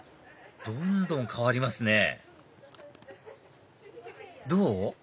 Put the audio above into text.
どんどん変わりますねどう？